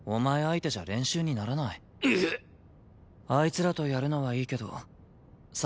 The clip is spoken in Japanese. あいつらとやるのはいいけど策は浮かんだ？